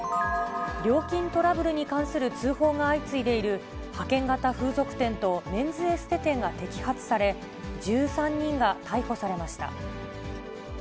料金トラブルに関する通報が相次いでいる、派遣型風俗店とメンズエステ店が摘発され、１３人が逮捕されました。